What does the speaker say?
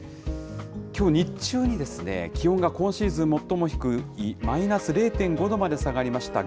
きょう日中に、気温が今シーズン最も低いマイナス０．５度まで下がりました。